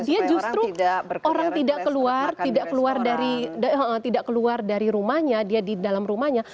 dia justru orang tidak keluar tidak keluar dari rumahnya dia di dalam rumahnya